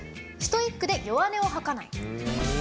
「ストイックで弱音を吐かない」。